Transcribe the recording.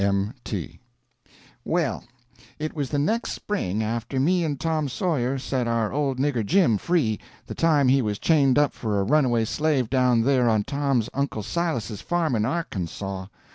— M. T.] Well, it was the next spring after me and Tom Sawyer set our old nigger Jim free, the time he was chained up for a runaway slave down there on Tom's uncle Silas's farm in Arkansaw.